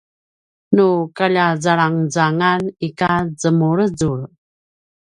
nu kaljazalangezangan ika zemulezul